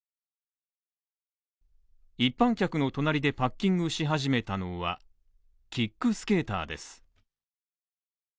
一般客の隣の隣でパッキングしはじめたのはキックスケーターです。